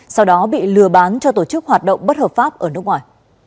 sau đó bị lừa bán cho tổ chức hoạt động bất hợp pháp ở nước ngoài